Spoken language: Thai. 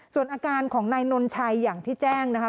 ส่วนอาการของนายนนชัยอย่างที่แจ้งนะคะ